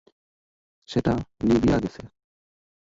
সেটা নিবিয়া গেছে।